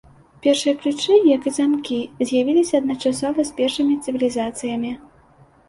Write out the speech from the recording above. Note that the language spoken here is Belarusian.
Першыя ключы, як і замкі, з'явіліся адначасова з першымі цывілізацыямі.